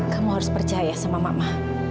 kamu harus percaya sama mama